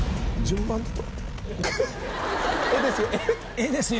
「え」ですよ。